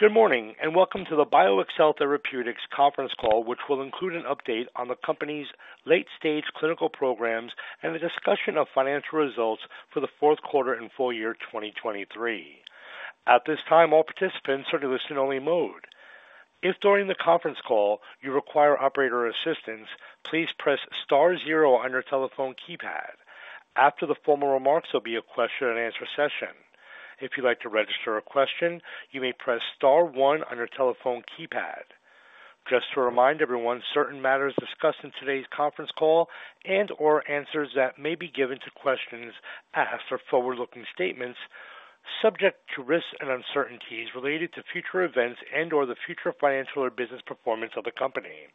Good morning and welcome to the BioXcel Therapeutics Conference Call which will include an update on the company's late-stage clinical programs and a discussion of financial results for the fourth quarter and full year 2023. At this time all participants are in listen-only mode. If during the conference call you require operator assistance please press star zero on your telephone keypad. After the formal remarks there'll be a question and answer session. If you'd like to register a question you may press star one on your telephone keypad. Just to remind everyone certain matters discussed in today's conference call and/or answers that may be given to questions asked are forward-looking statements subject to risks and uncertainties related to future events and/or the future financial or business performance of the company.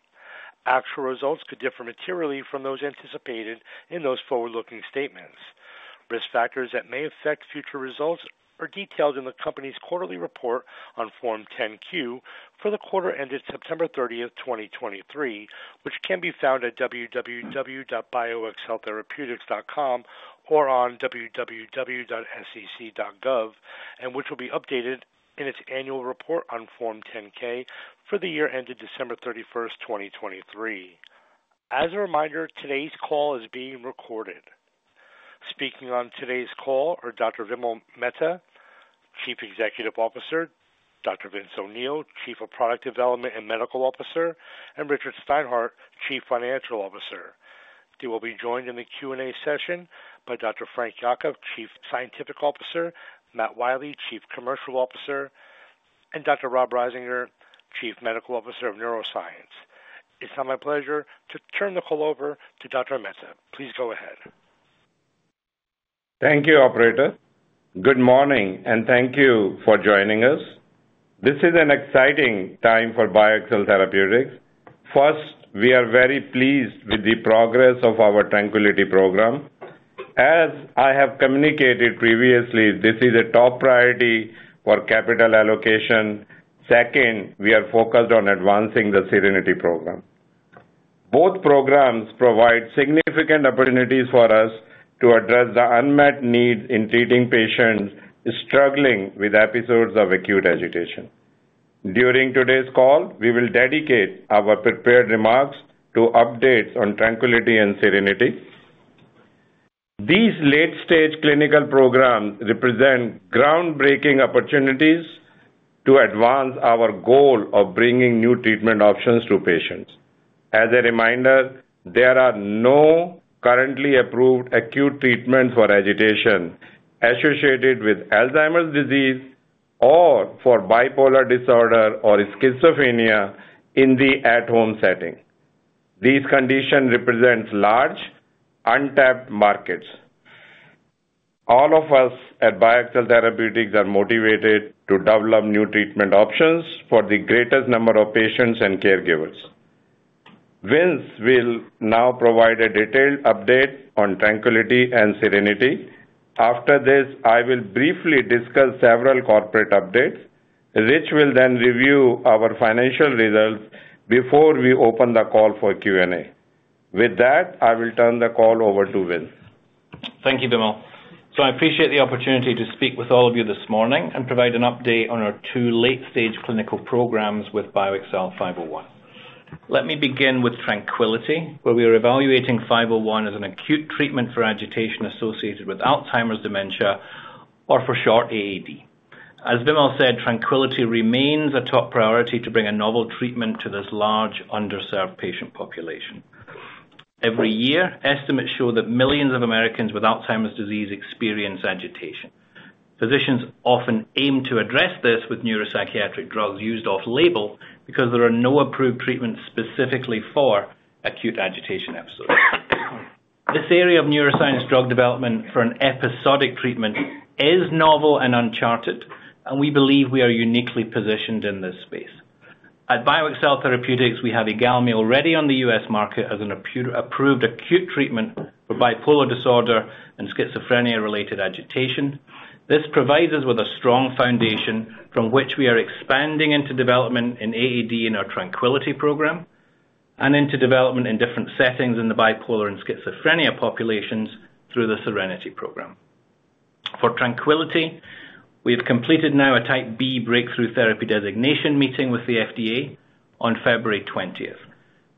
Actual results could differ materially from those anticipated in those forward-looking statements. Risk factors that may affect future results are detailed in the company's quarterly report on Form 10-Q for the quarter ended September 30th, 2023, which can be found at www.bioxceltherapeutics.com or on www.sec.gov and which will be updated in its annual report on Form 10-K for the year ended December 31st, 2023. As a re0minder today's call is being recorded. Speaking on today's call are Dr. Vimal Mehta, Chief Executive Officer, Dr. Vince O'Neill, Chief of Product Development and Medical Officer, and Rich Steinhart, Chief Financial Officer. They will be joined in the Q&A session by Dr. Frank Yocca, Chief Scientific Officer, Matt Wiley, Chief Commercial Officer, and Dr. Rob Risinger, Chief Medical Officer of Neuroscience. It's now my pleasure to turn the call over to Dr. Mehta. Please go ahead. Thank you operator. Good morning and thank you for joining us. This is an exciting time for BioXcel Therapeutics. First, we are very pleased with the progress of our TRANQUILITY program. As I have communicated previously, this is a top priority for capital allocation. Second, we are focused on advancing the SERENITY program. Both programs provide significant opportunities for us to address the unmet needs in treating patients struggling with episodes of acute agitation. During today's call, we will dedicate our prepared remarks to updates on TRANQUILITY and SERENITY. These late-stage clinical programs represent groundbreaking opportunities to advance our goal of bringing new treatment options to patients. As a reminder, there are no currently approved acute treatments for agitation associated with Alzheimer's disease or for bipolar disorder or schizophrenia in the at-home setting. These conditions represent large, untapped markets. All of us at BioXcel Therapeutics are motivated to develop new treatment options for the greatest number of patients and caregivers. Vince will now provide a detailed update on TRANQUILITY and SERENITY. After this, I will briefly discuss several corporate updates. Rich will then review our financial results before we open the call for Q&A. With that, I will turn the call over to Vince. Thank you, Vimal. So I appreciate the opportunity to speak with all of you this morning and provide an update on our two late-stage clinical programs with BXCL501. Let me begin with TRANQUILITY where we are evaluating 501 as an acute treatment for agitation associated with Alzheimer's dementia or for short AAD. As Vimal said TRANQUILITY remains a top priority to bring a novel treatment to this large, underserved patient population. Every year estimates show that millions of Americans with Alzheimer's disease experience agitation. Physicians often aim to address this with neuropsychiatric drugs used off-label because there are no approved treatments specifically for acute agitation episodes. This area of neuroscience drug development for an episodic treatment is novel and uncharted and we believe we are uniquely positioned in this space. At BioXcel Therapeutics we have IGALMI already on the U.S. market as an approved acute treatment for bipolar disorder and schizophrenia-related agitation. This provides us with a strong foundation from which we are expanding into development in AAD in our TRANQUILITY program and into development in different settings in the bipolar and schizophrenia populations through the SERENITY program. For TRANQUILITY we have completed now a Type B Breakthrough Therapy Designation meeting with the FDA on February 20th.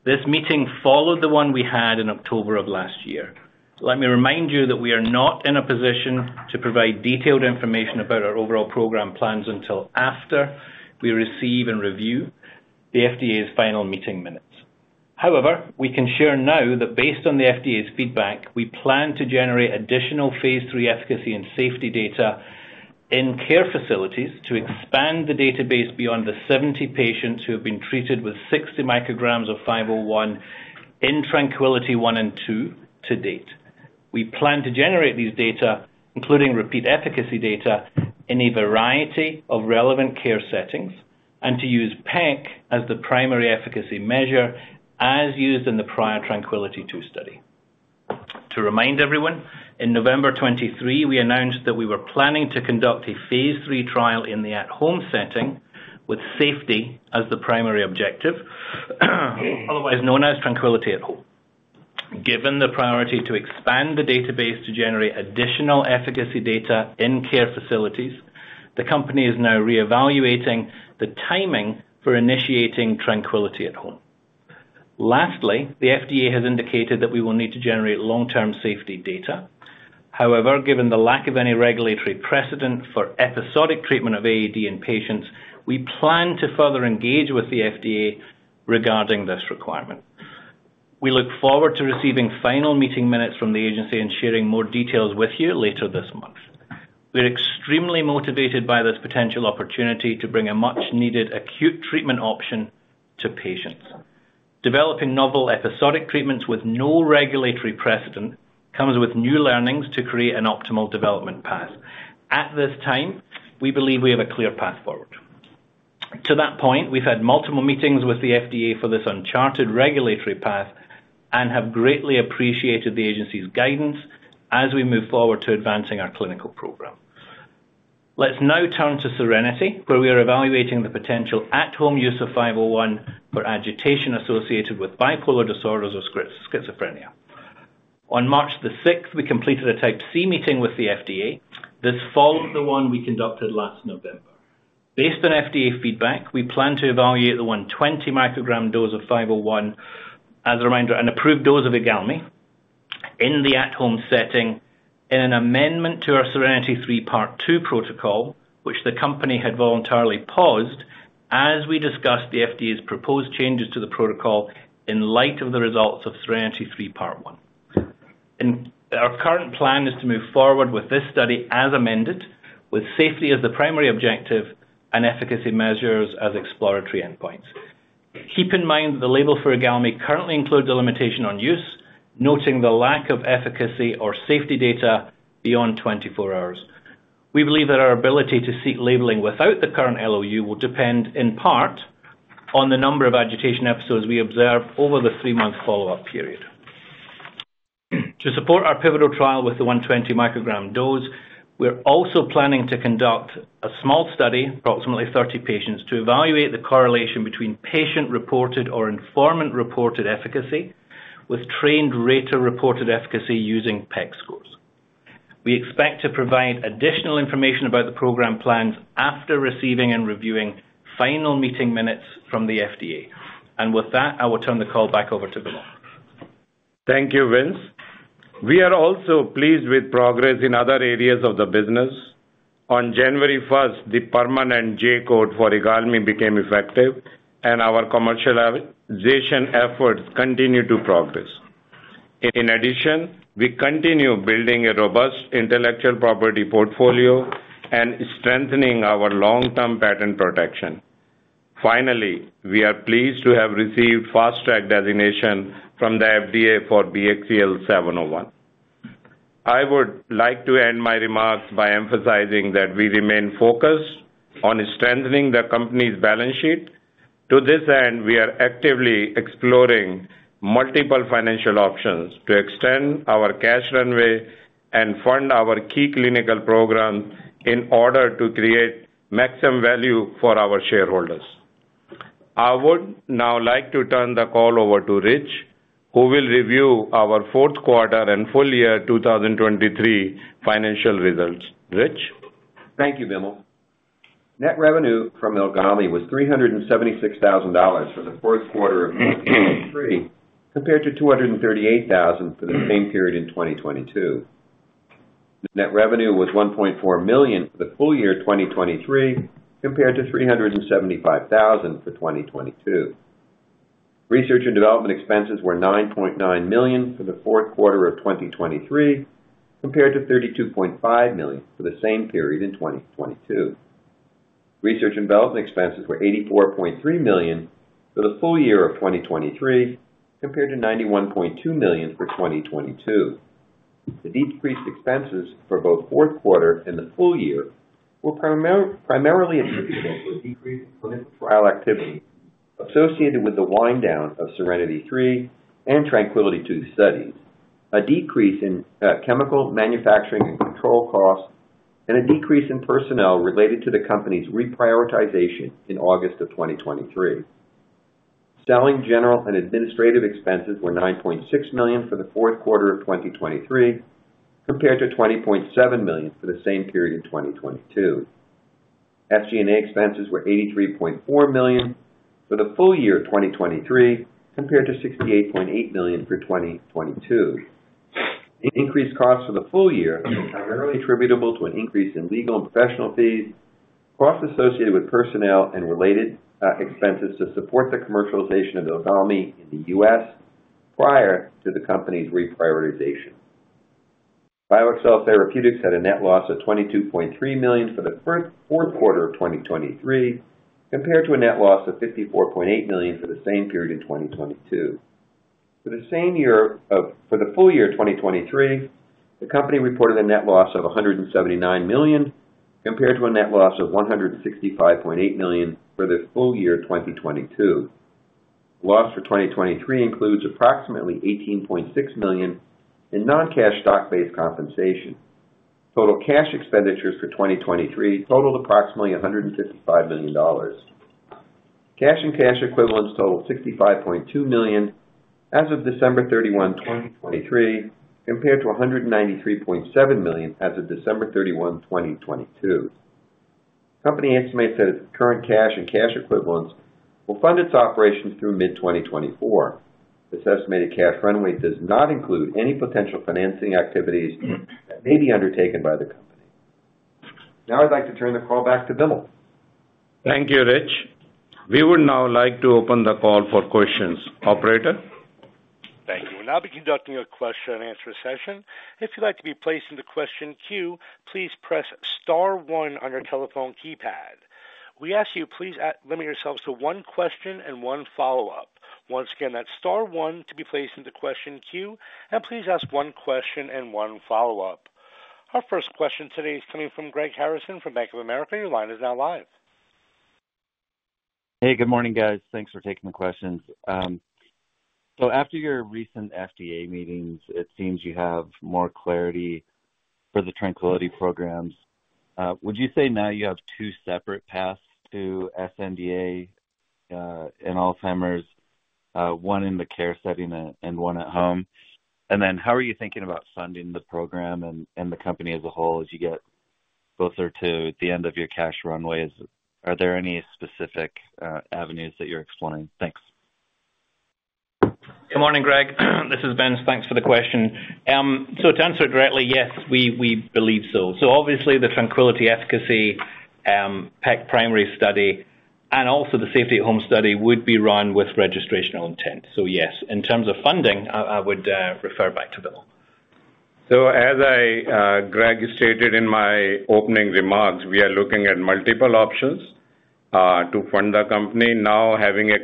This meeting followed the one we had in October of last year. Let me remind you that we are not in a position to provide detailed information about our overall program plans until after we receive and review the FDA's final meeting minutes. However, we can share now that based on the FDA's feedback we plan to generate additional phase III efficacy and safety data in care facilities to expand the database beyond the 70 patients who have been treated with 60 mcg of 501 in TRANQUILITY I and II to date. We plan to generate these data including repeat efficacy data in a variety of relevant care settings and to use PEC as the primary efficacy measure as used in the prior TRANQUILITY II study. To remind everyone in November 2023 we announced that we were planning to conduct a phase III trial in the at-home setting with safety as the primary objective, otherwise known as TRANQUILITY At-Home. Given the priority to expand the database to generate additional efficacy data in care facilities the company is now reevaluating the timing for initiating TRANQUILITY At-Home. Lastly, the FDA has indicated that we will need to generate long-term safety data. However, given the lack of any regulatory precedent for episodic treatment of AAD in patients, we plan to further engage with the FDA regarding this requirement. We look forward to receiving final meeting minutes from the agency and sharing more details with you later this month. We are extremely motivated by this potential opportunity to bring a much-needed acute treatment option to patients. Developing novel episodic treatments with no regulatory precedent comes with new learnings to create an optimal development path. At this time, we believe we have a clear path forward. To that point, we've had multiple meetings with the FDA for this uncharted regulatory path and have greatly appreciated the agency's guidance as we move forward to advancing our clinical program. Let's now turn to SERENITY where we are evaluating the potential at-home use of 501 for agitation associated with bipolar disorders or schizophrenia. On March 6th we completed a Type C meeting with the FDA. This followed the one we conducted last November. Based on FDA feedback, we plan to evaluate the 120 mcg dose of 501, as a reminder an approved dose of IGALMI, in the at-home setting in an amendment to our SERENITY III Part II protocol which the company had voluntarily paused as we discussed the FDA's proposed changes to the protocol in light of the results of SERENITY III Part I. Our current plan is to move forward with this study as amended with safety as the primary objective and efficacy measures as exploratory endpoints. Keep in mind that the label for IGALMI currently includes a limitation on use noting the lack of efficacy or safety data beyond 24 hours. We believe that our ability to seek labeling without the current LOU will depend in part on the number of agitation episodes we observe over the three-month follow-up period. To support our pivotal trial with the 120 microgram dose we're also planning to conduct a small study approximately 30 patients to evaluate the correlation between patient-reported or informant-reported efficacy with trained rater-reported efficacy using PEC scores. We expect to provide additional information about the program plans after receiving and reviewing final meeting minutes from the FDA. With that I will turn the call back over to Vimal. Thank you Vince. We are also pleased with progress in other areas of the business. On January 1st, the permanent J code for IGALMI became effective and our commercialization efforts continue to progress. In addition, we continue building a robust intellectual property portfolio and strengthening our long-term patent protection. Finally, we are pleased to have received Fast Track designation from the FDA for BXCL701. I would like to end my remarks by emphasizing that we remain focused on strengthening the company's balance sheet. To this end, we are actively exploring multiple financial options to extend our cash runway and fund our key clinical programs in order to create maximum value for our shareholders. I would now like to turn the call over to Rich who will review our fourth quarter and full year 2023 financial results. Rich? Thank you Vimal. Net revenue from IGALMI was $376,000 for the fourth quarter of 2023 compared to $238,000 for the same period in 2022. Net revenue was $1.4 million for the full year 2023 compared to $375,000 for 2022. Research and development expenses were $9.9 million for the fourth quarter of 2023 compared to $32.5 million for the same period in 2022. Research and development expenses were $84.3 million for the full year of 2023 compared to $91.2 million for 2022. The decreased expenses for both fourth quarter and the full year were primarily attributed to a decrease in clinical trial activity associated with the wind-down of SERENITY III and TRANQUILITY II studies, a decrease in chemical manufacturing and control costs, and a decrease in personnel related to the company's reprioritization in August of 2023. Selling general and administrative expenses were $9.6 million for the fourth quarter of 2023 compared to $20.7 million for the same period in 2022. SG&A expenses were $83.4 million for the full year 2023 compared to $68.8 million for 2022. Increased costs for the full year are primarily attributable to an increase in legal and professional fees, costs associated with personnel, and related expenses to support the commercialization of IGALMI in the U.S. prior to the company's reprioritization. BioXcel Therapeutics had a net loss of $22.3 million for the fourth quarter of 2023 compared to a net loss of $54.8 million for the same period in 2022. For the same year or for the full year 2023 the company reported a net loss of $179 million compared to a net loss of $165.8 million for the full year 2022. Loss for 2023 includes approximately $18.6 million in non-cash stock-based compensation. Total cash expenditures for 2023 totaled approximately $155 million. Cash and cash equivalents totaled $65.2 million as of December 31, 2023 compared to $193.7 million as of December 31, 2022. Company estimates that its current cash and cash equivalents will fund its operations through mid-2024. This estimated cash runway does not include any potential financing activities that may be undertaken by the company. Now I'd like to turn the call back to Vimal. Thank you, Rich. We would now like to open the call for questions. Operator? Thank you. We'll now be conducting a question-and-answer session. If you'd like to be placed into question queue please press star one on your telephone keypad. We ask you please limit yourselves to one question and one follow-up. Once again that's star one to be placed into question queue and please ask one question and one follow-up. Our first question today is coming from Greg Harrison from Bank of America. Your line is now live. Hey, good morning, guys. Thanks for taking the questions. So after your recent FDA meetings it seems you have more clarity for the TRANQUILITY programs. Would you say now you have two separate paths to sNDA in Alzheimer's, one in the care setting and one at home? And then how are you thinking about funding the program and the company as a whole as you get closer to the end of your cash runway? Are there any specific avenues that you're exploring? Thanks. Good morning, Greg. This is Vince. Thanks for the question. So to answer it directly, yes, we believe so. So obviously the TRANQUILITY efficacy PEC primary study and also the SERENITY At-Home study would be run with registrational intent. So yes. In terms of funding, I would refer back to Vimal. So as I, Greg, stated in my opening remarks, we are looking at multiple options to fund the company. Now having a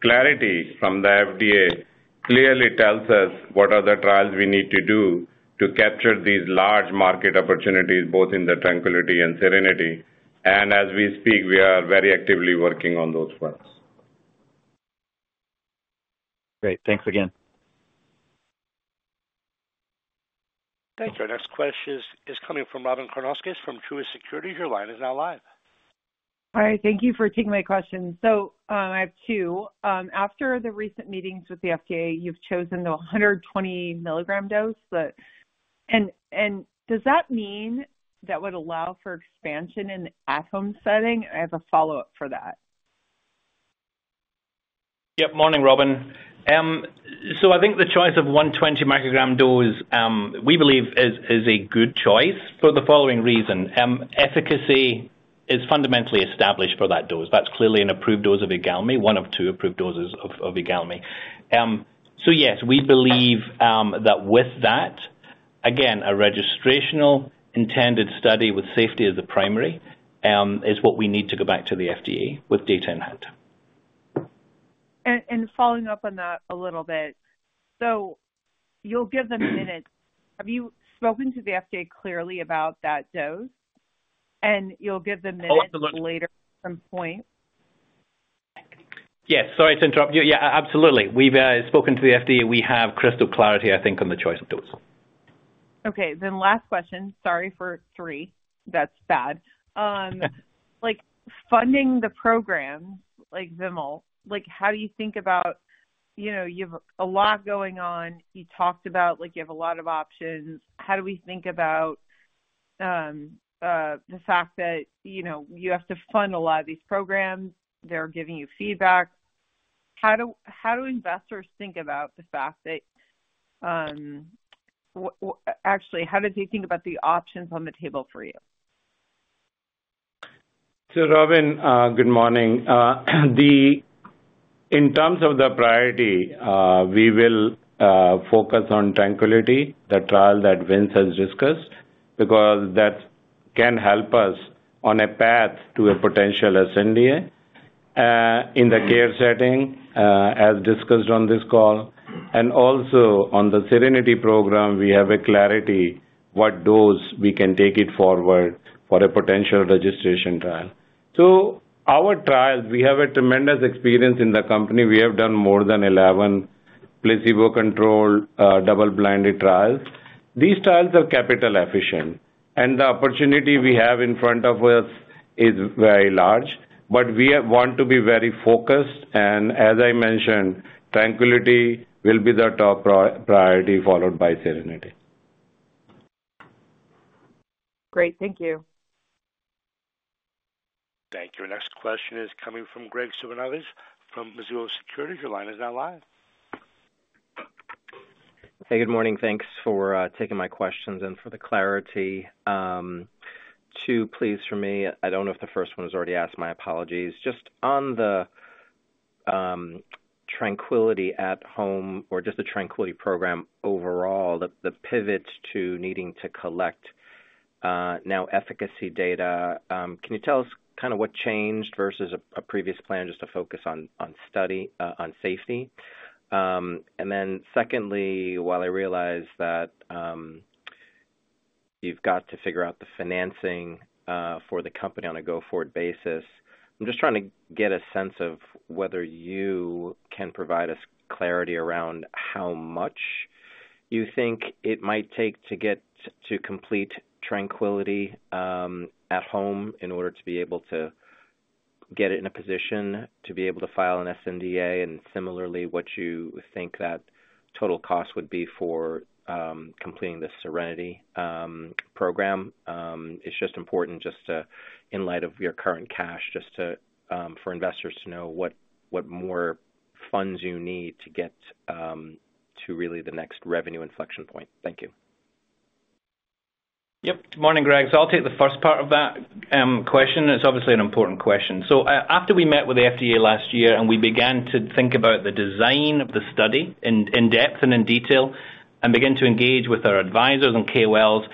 clarity from the FDA clearly tells us what are the trials we need to do to capture these large market opportunities both in the TRANQUILITY and SERENITY. And as we speak we are very actively working on those ones. Great. Thanks again. Thanks. Our next question is coming from Robyn Karnauskas from Truist Securities. Your line is now live. Hi, thank you for taking my question. So, I have two. After the recent meetings with the FDA, you've chosen the 120 mg dose that and does that mean that would allow for expansion in the at-home setting? I have a follow-up for that. Yep. Morning, Robin. So I think the choice of 120 mcg dose we believe is a good choice for the following reason: efficacy is fundamentally established for that dose. That's clearly an approved dose of IGALMI, one of two approved doses of IGALMI. So yes we believe that with that again a registrational intended study with safety as the primary is what we need to go back to the FDA with data in hand. Following up on that a little bit. So you'll give them minutes. Have you spoken to the FDA clearly about that dose? And you'll give them minutes later at some point. Yes. Sorry to interrupt. Yeah absolutely. We've spoken to the FDA. We have crystal clarity I think on the choice of dose. Okay. Then last question. Sorry for three. That's bad. Funding the program like Vimal, how do you think about you have a lot going on. You talked about you have a lot of options. How do we think about the fact that you have to fund a lot of these programs? They're giving you feedback. How do investors think about the fact that actually how do they think about the options on the table for you? So, Robin, good morning. In terms of the priority, we will focus on TRANQUILITY, the trial that Vince has discussed, because that can help us on a path to a potential sNDA in the care setting as discussed on this call. And also on the SERENITY program we have a clarity what dose we can take it forward for a potential registration trial. So our trials we have a tremendous experience in the company. We have done more than 11 placebo-controlled double-blinded trials. These trials are capital-efficient and the opportunity we have in front of us is very large. But we want to be very focused and as I mentioned TRANQUILITY will be the top priority followed by SERENITY. Great. Thank you. Thank you. Next question is coming from Graig Suvannavejh from Mizuho Securities. Your line is now live. Hey, good morning. Thanks for taking my questions and for the clarity. Two, please, for me. I don't know if the first one was already asked. My apologies. Just on the TRANQUILITY At-Home or just the TRANQUILITY program overall, the pivot to needing to collect now efficacy data. Can you tell us kind of what changed versus a previous plan just to focus on study, on safety? And then, secondly, while I realize that you've got to figure out the financing for the company on a go-forward basis, I'm just trying to get a sense of whether you can provide us clarity around how much you think it might take to get to complete TRANQUILITY At-Home in order to be able to get it in a position to be able to file an sNDA and similarly what you think that total cost would be for completing the SERENITY program. It's just important, just to, in light of your current cash, just to, for investors to know what more funds you need to get to really the next revenue inflection point. Thank you. Yep. Good morning Greg. So I'll take the first part of that question. It's obviously an important question. So after we met with the FDA last year and we began to think about the design of the study in depth and in detail and began to engage with our advisors and KOLs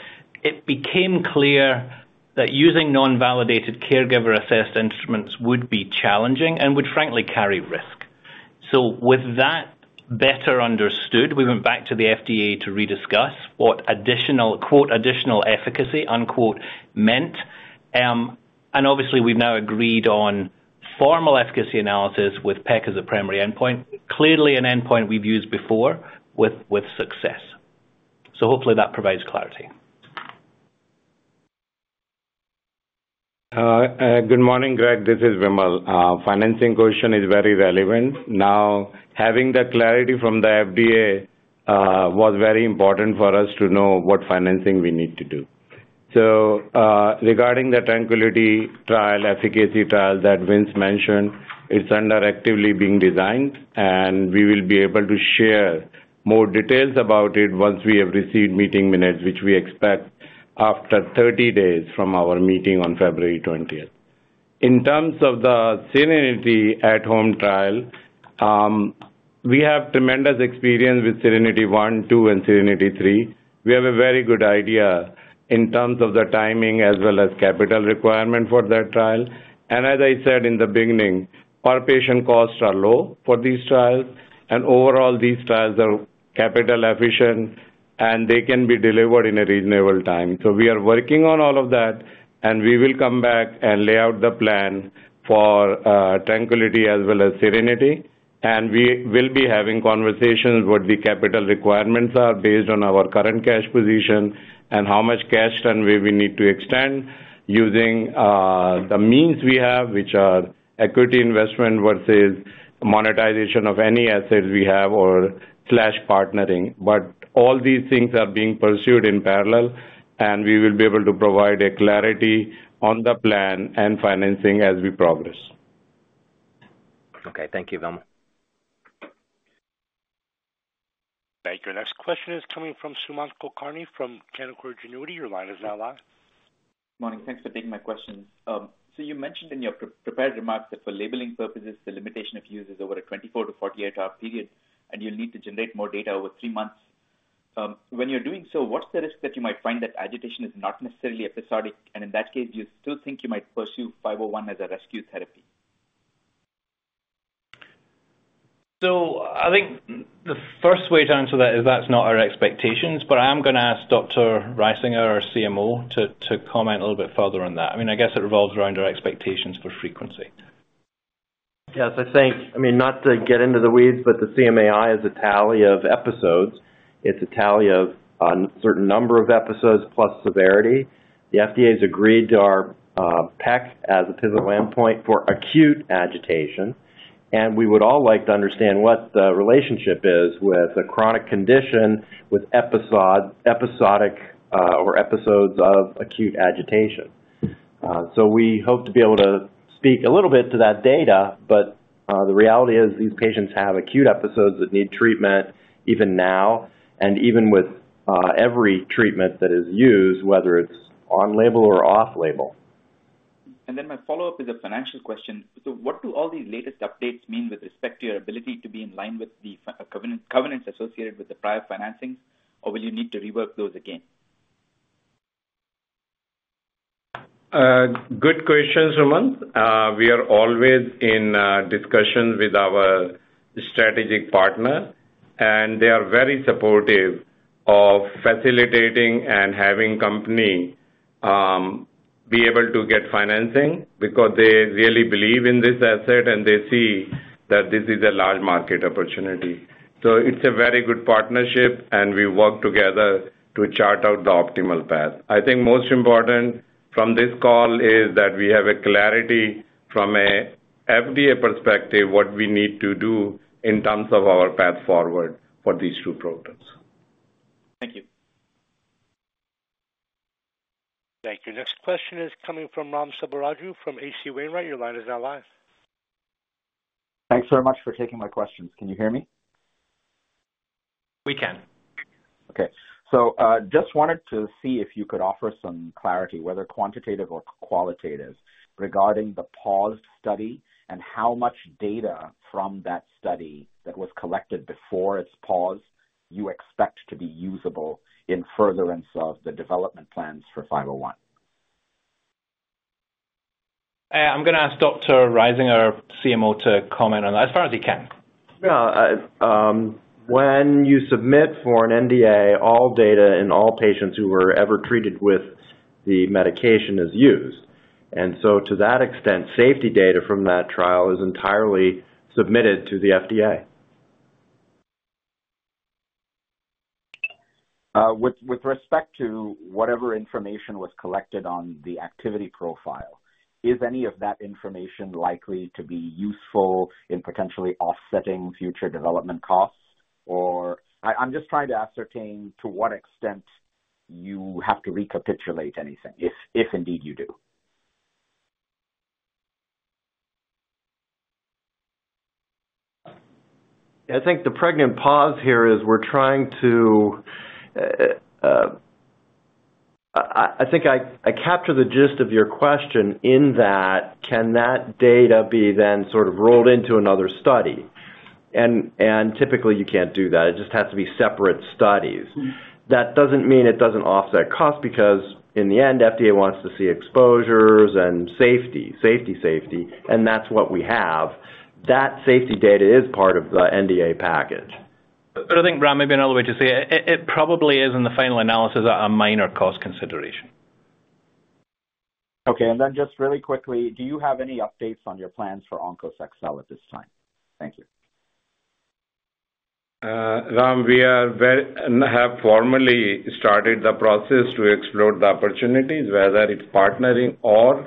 it became clear that using non-validated caregiver-assessed instruments would be challenging and would frankly carry risk. So with that better understood we went back to the FDA to rediscuss what "additional efficacy" meant. And obviously we've now agreed on formal efficacy analysis with PEC as a primary endpoint. Clearly an endpoint we've used before with success. So hopefully that provides clarity. Good morning, Greg. This is Vimal. Financing question is very relevant. Now having the clarity from the FDA was very important for us to know what financing we need to do. So, regarding the TRANQUILITY trial, efficacy trial that Vince mentioned, it's under actively being designed and we will be able to share more details about it once we have received meeting minutes which we expect after 30 days from our meeting on February 20th. In terms of the SERENITY At-Home trial we have tremendous experience with SERENITY I, II, and SERENITY III. We have a very good idea in terms of the timing as well as capital requirement for that trial. And as I said in the beginning our patient costs are low for these trials and overall these trials are capital-efficient and they can be delivered in a reasonable time. We are working on all of that and we will come back and lay out the plan for TRANQUILITY as well as SERENITY. We will be having conversations what the capital requirements are based on our current cash position and how much cash runway we need to extend using the means we have which are equity investment versus monetization of any assets we have or partnering. All these things are being pursued in parallel and we will be able to provide a clarity on the plan and financing as we progress. Okay. Thank you Vimal. Thank you. Next question is coming from Sumanth Kulkarni from Canaccord Genuity. Your line is now live. Good morning. Thanks for taking my questions. So you mentioned in your prepared remarks that for labeling purposes the limitation of use is over a 24-48-hour period and you'll need to generate more data over three months. When you're doing so what's the risk that you might find that agitation is not necessarily episodic and in that case do you still think you might pursue 501 as a rescue therapy? I think the first way to answer that is that's not our expectations but I am going to ask Dr. Risinger our CMO to comment a little bit further on that. I mean I guess it revolves around our expectations for frequency. Yes. I think I mean not to get into the weeds but the CMAI is a tally of episodes. It's a tally of a certain number of episodes plus severity. The FDA has agreed to our PEC as a pivotal endpoint for acute agitation. We would all like to understand what the relationship is with a chronic condition with episodic or episodes of acute agitation. We hope to be able to speak a little bit to that data but the reality is these patients have acute episodes that need treatment even now and even with every treatment that is used whether it's on-label or off-label. Then my follow-up is a financial question. What do all these latest updates mean with respect to your ability to be in line with the covenants associated with the prior financings or will you need to rework those again? Good question, Sumanth. We are always in discussion with our strategic partner and they are very supportive of facilitating and having company be able to get financing because they really believe in this asset and they see that this is a large market opportunity. So it's a very good partnership and we work together to chart out the optimal path. I think most important from this call is that we have a clarity from an FDA perspective what we need to do in terms of our path forward for these two programs. Thank you. Thank you. Next question is coming from Ram Selvaraju from H.C. Wainwright. Your line is now live. Thanks very much for taking my questions. Can you hear me? We can. Okay. So just wanted to see if you could offer some clarity whether quantitative or qualitative regarding the paused study and how much data from that study that was collected before its pause you expect to be usable in furtherance of the development plans for 501? I'm going to ask Dr. Risinger our CMO to comment on that as far as he can. Yeah. When you submit for an NDA, all data in all patients who were ever treated with the medication is used. And so to that extent, safety data from that trial is entirely submitted to the FDA. With respect to whatever information was collected on the activity profile, is any of that information likely to be useful in potentially offsetting future development costs, or I'm just trying to ascertain to what extent you have to recapitulate anything if indeed you do? I think the pregnant pause here is we're trying to. I think I captured the gist of your question in that: can that data be then sort of rolled into another study? Typically you can't do that. It just has to be separate studies. That doesn't mean it doesn't offset costs because in the end FDA wants to see exposures and safety, safety, safety, and that's what we have. That safety data is part of the NDA package. But I think, Ram, maybe another way to say it probably is in the final analysis a minor cost consideration. Okay. And then just really quickly do you have any updates on your plans for OnkosXcel at this time? Thank you. Ram, we have formally started the process to explore the opportunities whether it's partnering or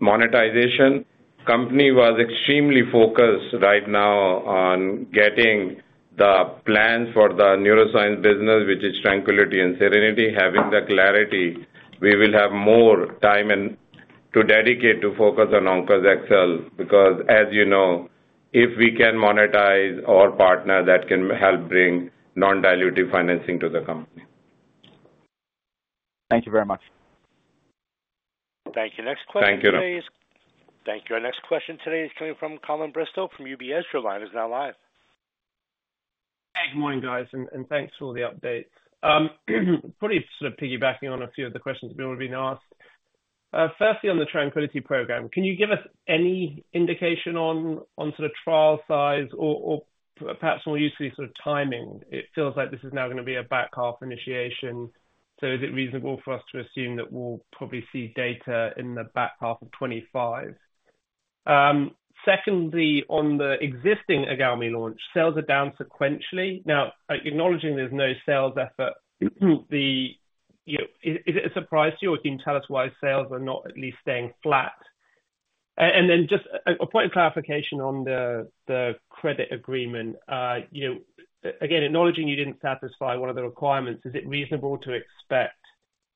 monetization. The company was extremely focused right now on getting the plans for the neuroscience business which is TRANQUILITY and SERENITY. Having the clarity we will have more time to dedicate to focus on OnkosXcel because as you know if we can monetize or partner that can help bring non-dilutive financing to the company. Thank you very much. Thank you. Next question today is. Thank you, Ram. Thank you. Our next question today is coming from Colin Bristow from UBS. Your line is now live. Hey. Good morning, guys, and thanks for all the updates. Pretty sort of piggybacking on a few of the questions we've already been asked. Firstly, on the TRANQUILITY program, can you give us any indication on sort of trial size or perhaps more usefully sort of timing? It feels like this is now going to be a back half initiation, so is it reasonable for us to assume that we'll probably see data in the back half of 2025? Secondly, on the existing IGALMI launch, sales are down sequentially. Now acknowledging there's no sales effort, is it a surprise to you or can you tell us why sales are not at least staying flat? And then just a point of clarification on the credit agreement. Again acknowledging you didn't satisfy one of the requirements is it reasonable to expect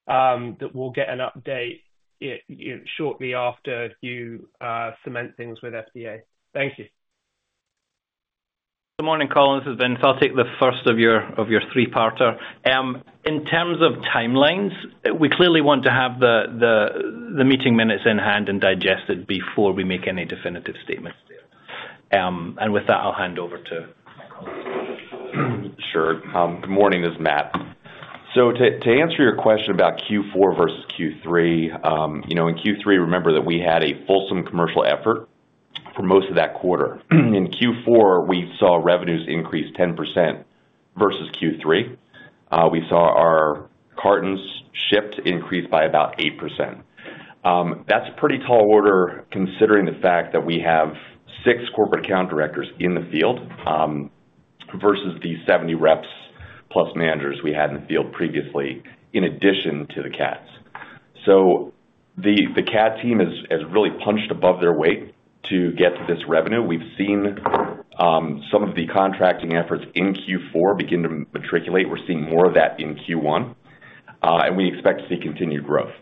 that we'll get an update shortly after you cement things with FDA? Thank you. Good morning Colin. This has been the first of your three-parter. In terms of timelines we clearly want to have the meeting minutes in hand and digested before we make any definitive statements there. And with that I'll hand over to my colleagues. Sure. Good morning. This is Matt. So to answer your question about Q4 versus Q3, in Q3 remember that we had a fulsome commercial effort for most of that quarter. In Q4 we saw revenues increase 10% versus Q3. We saw our cartons shipped increase by about 8%. That's a pretty tall order considering the fact that we have six corporate account directors in the field versus the 70 reps plus managers we had in the field previously in addition to the CATs. So the CAT team has really punched above their weight to get to this revenue. We've seen some of the contracting efforts in Q4 begin to materialize. We're seeing more of that in Q1 and we expect to see continued growth.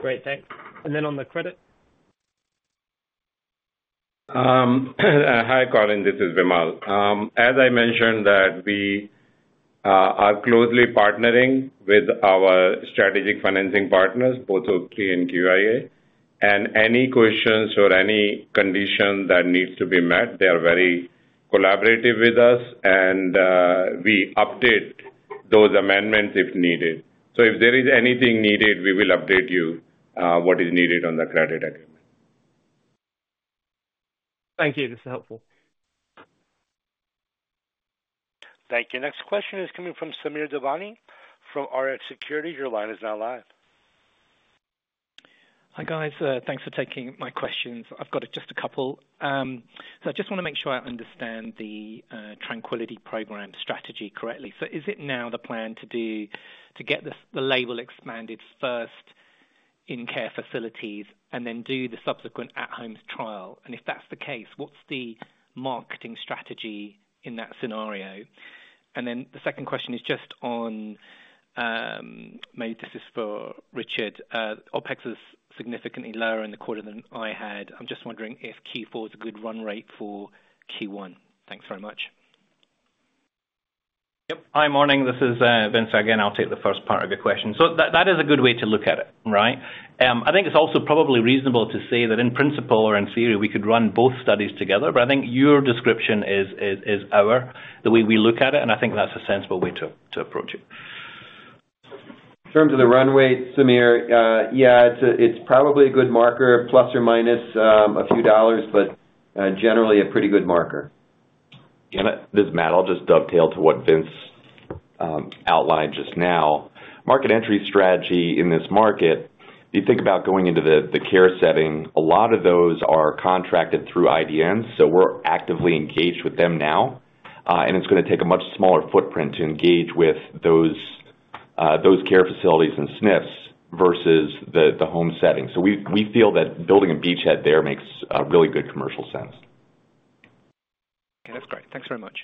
Great. Thanks. And then on the credit. Hi, Colin. This is Vimal. As I mentioned that we are closely partnering with our strategic financing partners both OP and QIA and any questions or any condition that needs to be met they are very collaborative with us and we update those amendments if needed. So if there is anything needed we will update you what is needed on the credit agreement. Thank you. This is helpful. Thank you. Next question is coming from Samir Devani from Rx Securities. Your line is now live. Hi guys. Thanks for taking my questions. I've got just a couple. I just want to make sure I understand the TRANQUILITY program strategy correctly. Is it now the plan to get the label expanded first in care facilities and then do the subsequent at-home trial? And if that's the case what's the marketing strategy in that scenario? And then the second question is just on maybe this is for Richard. OpEx is significantly lower in the quarter than I had. I'm just wondering if Q4 is a good run rate for Q1? Thanks very much. Yep. Hi, morning. This is Vince. Again, I'll take the first part of your question. So that is a good way to look at it, right? I think it's also probably reasonable to say that in principle or in theory we could run both studies together, but I think your description is our, the way we look at it, and I think that's a sensible way to approach it. In terms of the run rate, Samir, yeah, it's probably a good marker ± a few dollars, but generally a pretty good marker. This is Matt. I'll just dovetail to what Vince outlined just now. Market entry strategy in this market. If you think about going into the care setting, a lot of those are contracted through IDNs, so we're actively engaged with them now, and it's going to take a much smaller footprint to engage with those care facilities and SNFs versus the home setting. So we feel that building a beachhead there makes really good commercial sense. Okay. That's great. Thanks very much.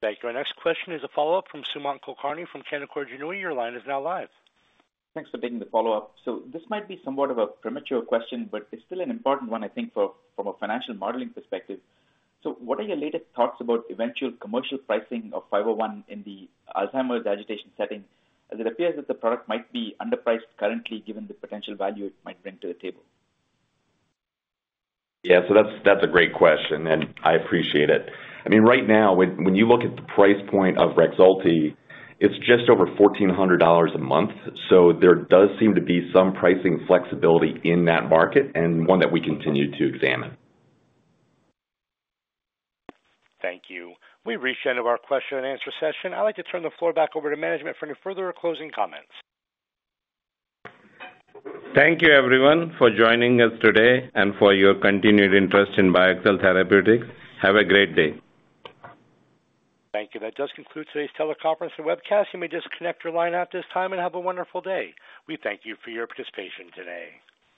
Thank you. Our next question is a follow-up from Sumanth Kulkarni from Canaccord Genuity. Your line is now live. Thanks for taking the follow-up. This might be somewhat of a premature question but it's still an important one I think from a financial modeling perspective. So what are your latest thoughts about eventual commercial pricing of 501 in the Alzheimer's agitation setting as it appears that the product might be underpriced currently given the potential value it might bring to the table? Yeah. So that's a great question and I appreciate it. I mean right now when you look at the price point of REXULTI it's just over $1,400 a month so there does seem to be some pricing flexibility in that market and one that we continue to examine. Thank you. We reached the end of our question and answer session. I'd like to turn the floor back over to management for any further or closing comments. Thank you everyone for joining us today and for your continued interest in BioXcel Therapeutics. Have a great day. Thank you. That does conclude today's teleconference and webcast. You may disconnect your line at this time and have a wonderful day. We thank you for your participation today.